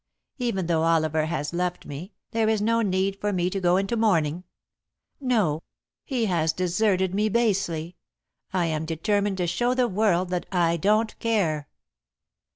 Even though Oliver has left me, there is no need for me to go into mourning. No. He has deserted me basely. I am determined to show the world that I don't care."